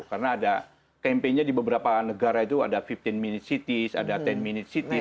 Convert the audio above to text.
karena ada campaignnya di beberapa negara itu ada lima belas minutes city ada sepuluh minutes city